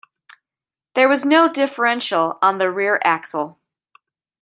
There was no differential on the rear axle.